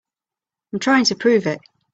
I'm trying to prove it.